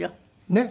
ねっ。